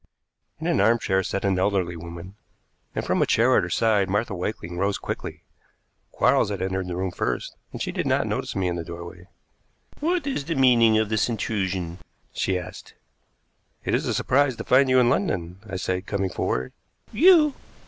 In an armchair sat an elderly woman, and from a chair at her side Martha Wakeling rose quickly. Quarles had entered the room first, and she did not notice me in the doorway. "What is the meaning of this intrusion?" she asked. "It is a surprise to find you in London," I said, coming forward. "You!